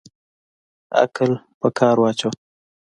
عقل په کار واچوه